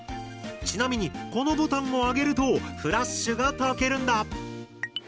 ちなみにこのボタンを上げるとフラッシュがたけるんだ。